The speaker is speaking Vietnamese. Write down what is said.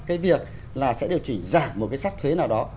cái việc là sẽ điều chỉnh giảm một cái sắc thuế nào đó